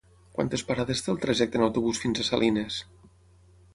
Quantes parades té el trajecte en autobús fins a Salines?